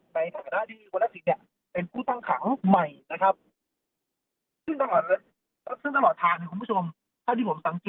ในฐานะที่คุณทักษิตเนี่ยเป็นผู้ตั้งขังใหม่นะครับ